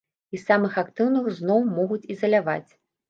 І самых актыўных зноў могуць ізаляваць.